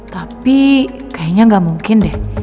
tapi kayaknya nggak mungkin deh